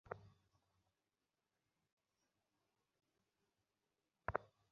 আরে, এতো মেয়ের সমস্যা, তাই না?